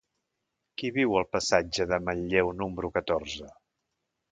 Qui viu al passatge de Manlleu número catorze?